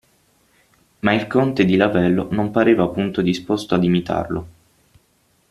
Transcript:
Ma il conte di Lavello non pareva punto disposto ad imitarlo.